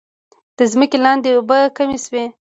د ځمکې لاندې اوبه کمې شوي؟